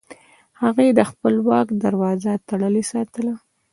هغوی د خپل واک دروازه تړلې ساتله.